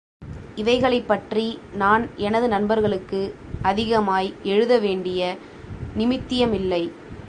இவைகளைப்பற்றி நான் எனது நண்பர்களுக்கு அதிகமாய் எழுத வேண்டிய நிமித்தியமில்லை.